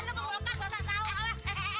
lu mau ngokak bahkan tau